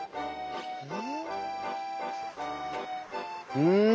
うん。